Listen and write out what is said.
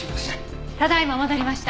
ただ今戻りました。